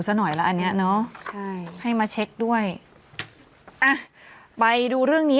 ซะหน่อยแล้วอันเนี้ยเนอะใช่ให้มาเช็คด้วยอ่ะไปดูเรื่องนี้